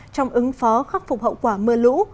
trong ứng phó khắc phục hậu quả mưa lũ